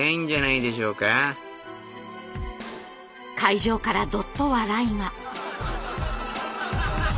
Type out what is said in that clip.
会場からどっと笑いが。